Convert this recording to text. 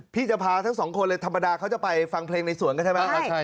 พี่จะพาทั้งสองคนเลยธรรมดาเขาจะไปฟังเพลงในสวนกันใช่ไหม